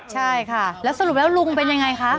ใช่ค่ะแล้วสรุปแล้วลุงเป็นยังไงคะ